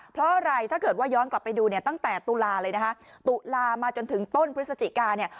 เพราะอะไรถ้าเกิดว่าย้อนกลับไปดูเนี่ยตั้งแต่ตุลาเลยนะคะตุลามาจนถึงต้นพฤศจิกาเนี่ย